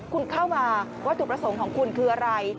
คุณเข้ามาวัตถุประสงค์ของคุณคืออะไร